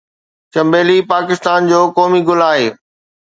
چمبلي پاڪستان جو قومي گل آهي